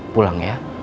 pulang ke rumah